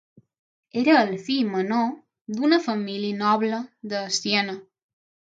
Era el fill menor d'una família noble de Siena.